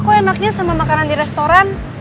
kok enaknya sama makanan di restoran